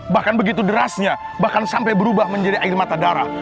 bahkan begitu derasnya bahkan sampai berubah menjadi air mata darah